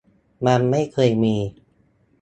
มันไม่เคยมี